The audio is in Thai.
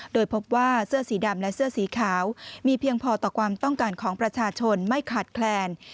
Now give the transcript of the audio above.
โดยพบว่าเสื้อสีดำและเสื้อสีขาวมีเพียงพอต่อความต้องการของประชาชนไม่ขาดแคลน